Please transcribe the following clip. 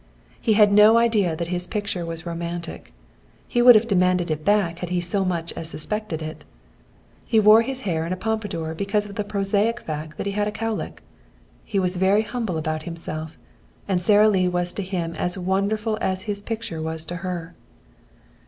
He had no idea that his picture was romantic. He would have demanded it back had he so much as suspected it. He wore his hair in a pompadour because of the prosaic fact that he had a cow lick. He was very humble about himself, and Sara Lee was to him as wonderful as his picture was to her.